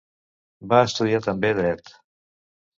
Va estudiar també dret.